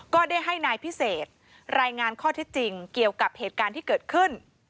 ก็ได้ให้นายพิเศษรายงานข้อที่จริงเกี่ยวกับเหตุการณ์ที่เกิดขึ้น